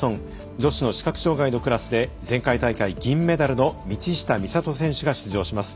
女子の視覚障がいのクラスで前回大会銀メダルの道下美里選手が出場します。